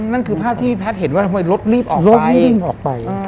นั่นคือภาพที่พี่แพทธ์เห็นว่าทำไมรถรีบออกไป